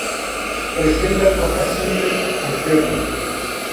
Presentan hojas simples, alternas.